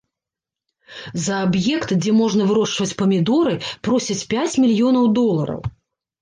За аб'ект, дзе можна вырошчваць памідоры, просяць пяць мільёнаў долараў.